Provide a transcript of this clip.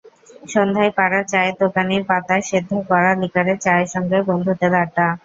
সন্ধ্যায় পাড়ার চায়ের দোকানির পাতা সেদ্ধ কড়া লিকারের চায়ের সঙ্গে বন্ধুদের আড্ডা।